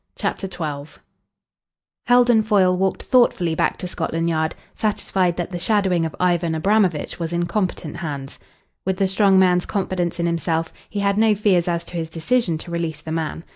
CHAPTER XII Heldon Foyle walked thoughtfully back to Scotland Yard, satisfied that the shadowing of Ivan Abramovitch was in competent hands. With the strong man's confidence in himself, he had no fears as to his decision to release the man.